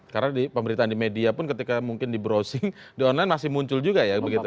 karena di pemberitaan di media pun ketika mungkin di browsing di online masih muncul juga ya begitu